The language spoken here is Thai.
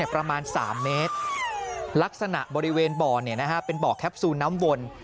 ประมาณ๓เมตรลักษณะบริเวณบ่อเป็นบ่อแคปซูลน้ำวน